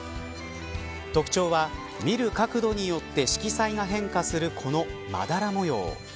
特徴は見る角度によって色彩が変化するこの、まだら模様。